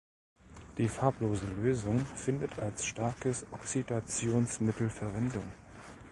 Die farblose Lösung findet als starkes Oxidationsmittel Verwendung.